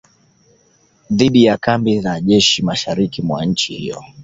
dhidi ya kambi za jeshi mashariki mwa nchi hiyo